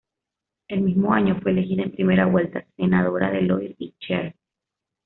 El mismo año, fue elegida en primera vuelta, senadora de Loir y Cher.